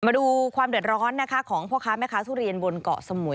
มาดูความเดือดร้อนนะคะของพ่อค้าแม่ค้าทุเรียนบนเกาะสมุย